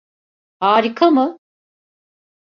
Harika mı?